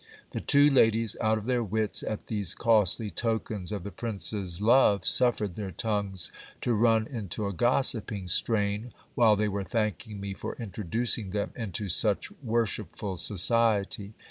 The two ladies, out of their wits at these costly tokens of the prince's love, suffered their tongues to run into a gossiping strain, while they were thanking me for introducing them into such worshipful society.